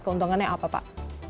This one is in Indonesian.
keuntungannya apa pak